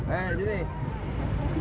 eh di sini